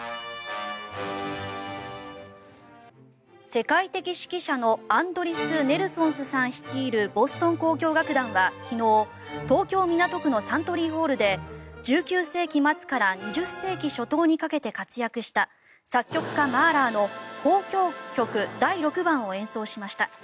世界的指揮者のアンドリス・ネルソンスさん率いるボストン交響楽団は昨日東京・港区のサントリーホールで１９世紀末から２０世紀初頭にかけて活躍した作曲家、マーラーの「交響曲第６番」を演奏しました。